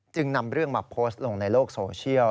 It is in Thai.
นำเรื่องมาโพสต์ลงในโลกโซเชียล